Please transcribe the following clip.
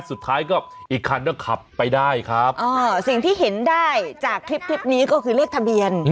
สุดท้ายก็อีกคันก็ขับไปได้ครับสิ่งที่เห็นได้จากคลิปคลิปนี้ก็คือเลขทะเบียน